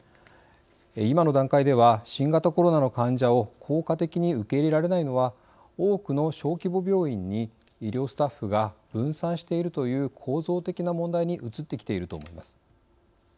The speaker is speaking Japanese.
今の段階では新型コロナの患者を効果的に受け入れられないのは多くの小規模病院に医療スタッフが分散しているという構造的な問題に移ってきていると思います。